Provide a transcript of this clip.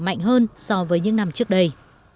mạnh hơn so với những năm trước đây